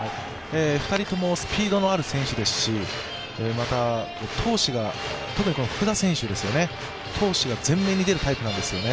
２人ともスピードのある選手ですし、特に福田選手、闘志が全面に出るタイプなんですよね。